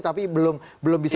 tapi belum bisa